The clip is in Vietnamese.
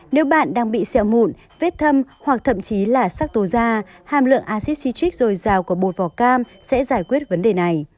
nếu bạn đang bị xẹo mụn vết thâm hoặc thậm chí là sắc tố da hàm lượng acidcitric dồi dào của bột vỏ cam sẽ giải quyết vấn đề này